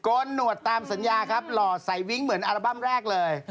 นหนวดตามสัญญาครับหล่อใส่วิ้งเหมือนอัลบั้มแรกเลย